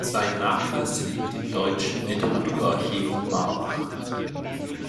Sein Nachlass liegt im Deutschen Literaturarchiv Marbach.